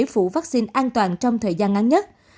các mẫu bệnh phẩm được tiêm chủng an toàn trong thời gian ngắn nhất